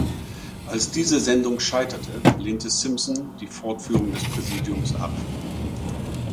Als diese Sendung scheiterte, lehnte Simson die Fortführung des Präsidiums ab.